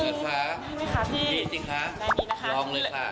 นี่ไหมคะพี่ดีจริงค่ะแปรนี้นะคะร้องเลยค่ะ